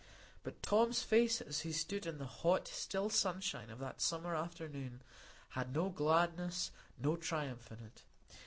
But Tom's face, as he stood in the hot, still sunshine of that summer afternoon, had no gladness, no triumph in it.